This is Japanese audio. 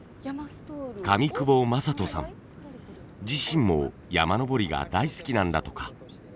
自身も山登りが大好きなんだとか。